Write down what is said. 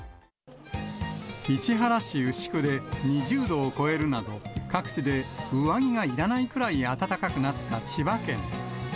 市原市牛久で２０度を超えるなど、各地で上着がいらないくらい暖かくなった千葉県。